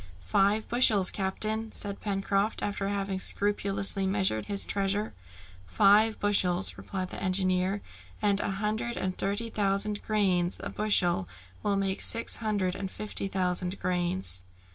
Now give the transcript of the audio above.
"Five bushels, captain," said Pencroft, after having scrupulously measured his treasure. "Five bushels," replied the engineer; "and a hundred and thirty thousand grains a bushel will make six hundred and fifty thousand grains."